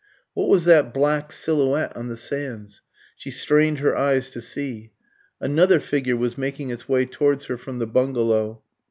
What was that black silhouette on the sands? She strained her eyes to see. Another figure was making its way towards her from the bungalow.